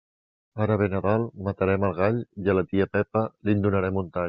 Ara ve Nadal, matarem el gall i a la tia Pepa li'n donarem un tall.